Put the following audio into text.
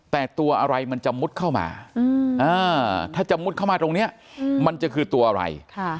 แต่ตัวอะไรมันจะมุดเข้ามาถ้าจะมุดเข้ามาตรงนี้มันจะคือตัวอะไร